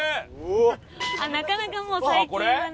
なかなかもう最近はね。